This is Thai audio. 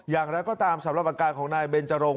อย่างนั้นก็ตามสำรวจประการของนายเบนจรง